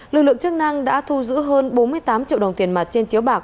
lực lượng chức năng đã thu giữ hơn bốn mươi tám triệu đồng tiền mặt trên chiếu bạc